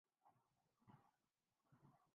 مذہب اور سیاست کی یک جائی کا ایک نتیجہ یہ بھی ہے۔